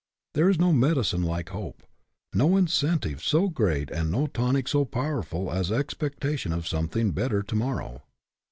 There is no medicine like hope, no incentive so great and no tonic so powerful as expecta tion of something better to morrow.